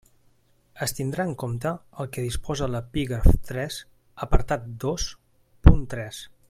Es tindrà en compte el que disposa l'epígraf tres, apartat dos, punt tres.